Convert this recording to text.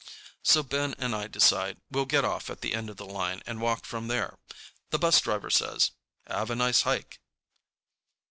So Ben and I decide we'll get off at the end of the line and walk from there. The bus driver says, "Have a nice hike."